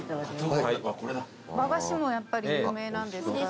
和菓子もやっぱり有名なんですか？